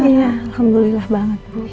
iya alhamdulillah banget bu